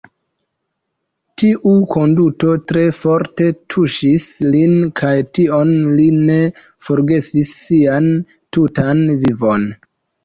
Tiu konduto tre forte tuŝis lin kaj tion li ne forgesis sian tutan vivon.